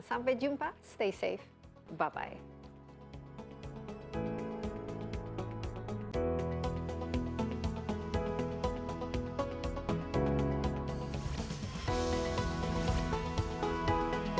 sampai jumpa stay safe bye bye